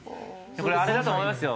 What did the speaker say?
これあれだと思いますよ。